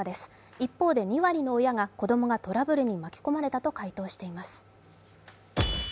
一方で、２割の親が子供がトラブルに巻き込まれたと回答しています。